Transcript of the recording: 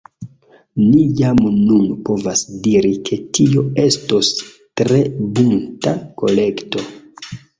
Ni jam nun povas diri ke tio estos tre bunta kolekto.